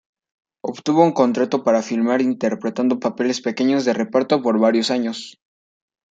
Obtuvo un contrato para filmar interpretando papeles pequeños de reparto por varios años.